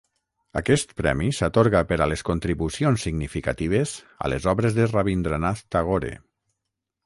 Aquest premi s'atorga per a les contribucions significatives a les obres de Rabindranath Tagore.